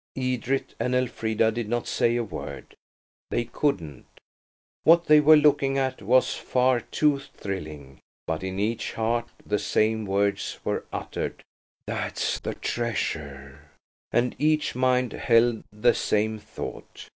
Edred and Elfrida did not say a word. They couldn't. What they were looking at was far too thrilling. But in each heart the same words were uttered– "That's the treasure!" And each mind held the same thought.